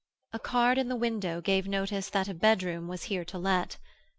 A card in the window gave notice that a bedroom was here to let.